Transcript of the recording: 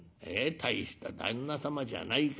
大した旦那様じゃないか。